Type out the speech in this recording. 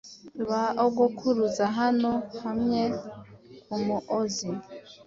Ba ogokuruza hano hamwe ku Muozi